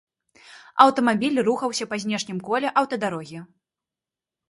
Аўтамабіль рухаўся па знешнім коле аўтадарогі.